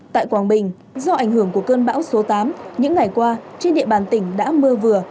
tại quảng bình do ảnh hưởng của cơn bão số tám những ngày qua trên địa bàn tỉnh đã mưa vừa